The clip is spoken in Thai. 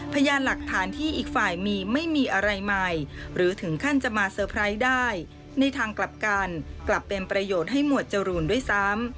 พยานหลักฐานที่อีกฝ่ายมีไม่มีอะไรใหม่หรือถึงขั้นจะมาเตอร์ไพรส์ได้ในทางกลับกันกลับเป็นประโยชน์ให้หมวดจรูนด้วยซ้ำ